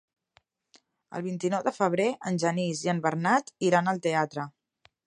El vint-i-nou de febrer en Genís i en Bernat iran al teatre.